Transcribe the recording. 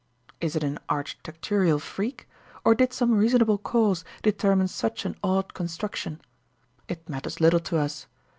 Is it an architectural freak, or did some reasonable cause determine such an odd construction? It matters little to us.